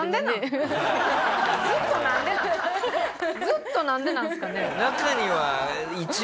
ずっとなんでなんですかね？